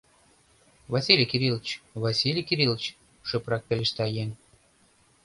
— Василий Кирилыч, Василий Кирилыч, — шыпрак пелешта еҥ.